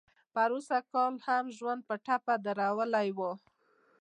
پروسږ کال هم ژوند په ټپه درولی و.